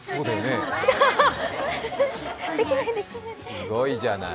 すごいじゃない。